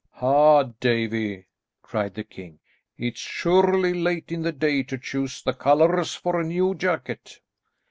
"Ha, Davie!" cried the king, "it's surely late in the day to choose the colours for a new jacket."